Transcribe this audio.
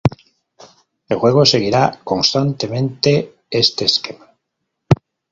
El juego seguirá constantemente este esquema.